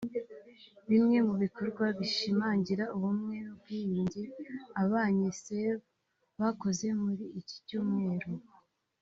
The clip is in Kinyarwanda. Bimwe mu bikorwa bishimangira Ubumwe n’Ubwiyunge Abanye-Save bakoze muri iki cyumweru